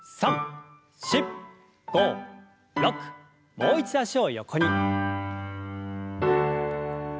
もう一度脚を横に。